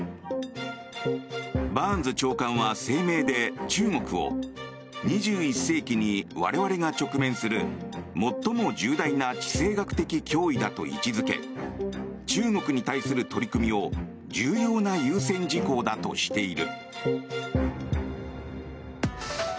バーンズ長官は声明で中国を２１世紀に我々が直面する最も重大な地政学脅威だと位置付け中国に対する取り組みを重要な優先事項だとしている。